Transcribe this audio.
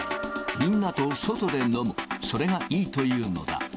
みんなと外で飲む、それがいいというのだ。